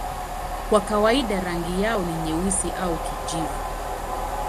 Kwa kawaida rangi yao ni nyeusi au kijivu.